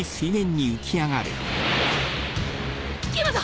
今だ！